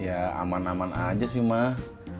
ya aman aman aja sih mah